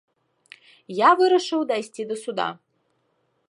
Я вырашыў дайсці да суда.